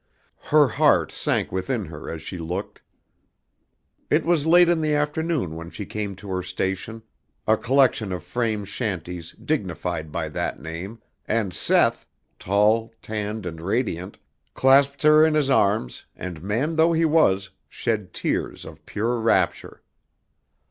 Her heart sank within her as she looked. It was late in the afternoon when she came to her station, a collection of frame shanties dignified by that name, and Seth, tall, tanned and radiant, clasped her in his arms, and man though he was, shed tears of pure rapture.